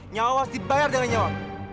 nyawa harus dibayar dengan nyawa